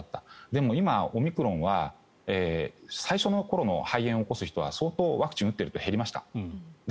でも今、オミクロンは最初の頃のような肺炎を起こす人はワクチンを打っているので相当減りました。